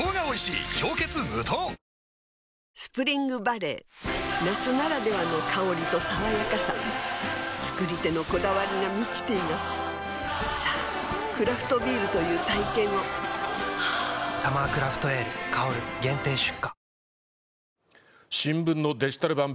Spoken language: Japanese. あスプリングバレー夏ならではの香りと爽やかさ造り手のこだわりが満ちていますさぁクラフトビールという体験を「サマークラフトエール香」限定出荷